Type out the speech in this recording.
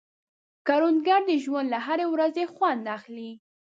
کروندګر د ژوند له هرې ورځې خوند اخلي